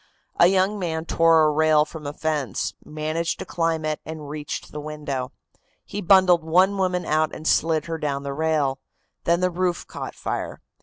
A young man tore a rail from a fence, managed to climb it, and reached the window. He bundled one woman out and slid her down the rail; then the roof caught fire.